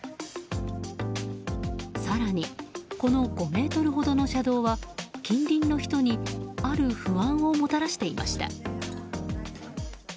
更に、この５ｍほどの車道は近隣の人にある不安をもたらしていました。